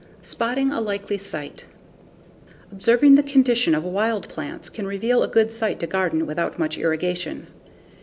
Spotting a Likely Site Observing the condition of wild plants can reveal a good site to garden without much irrigation.